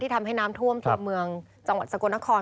ทำให้น้ำท่วมตัวเมืองจังหวัดสกลนคร